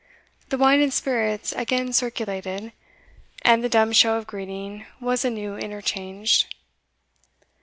The wine and spirits again circulated, and the dumb show of greeting was anew interchanged.